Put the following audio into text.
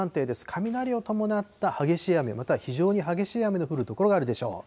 雷を伴った激しい雨、または非常に激しい雨の降る所があるでしょう。